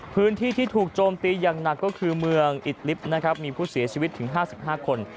พื้นที่ที่ถูกโจมตีอย่างหนักก็คือเมืองอิดลิฟต์นะครับมีผู้เสียชีวิตถึง๕๕คน